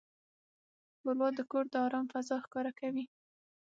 ښوروا د کور د آرام فضا ښکاره کوي.